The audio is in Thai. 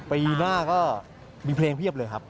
ปีหน้าก็มีเพลงเพียบเลยครับ